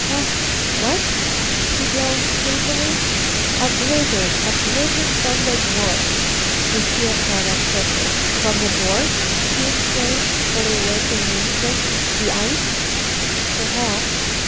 "Wha wha " she droned sleepily. "A blizzard! A blizzard from the north!" Lucile sat up quickly. "From the north!" she exclaimed, fully awake in an instant. "The ice?" "Perhaps."